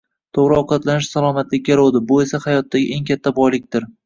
To‘g‘ri ovqatlanish salomatlik garovidir, bu esa hayotdagi eng katta boylikdir.